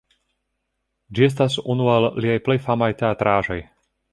Ĝi estas unu el liaj plej famaj teatraĵoj.